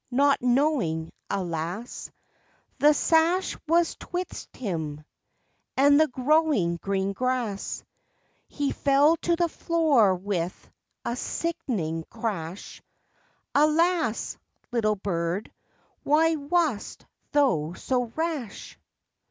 Not knowing, alas, The sash was 'twixt him And the growing green grass; He fell to the floor with A sickening crash, Alas! little bird, why Wast thou so rash?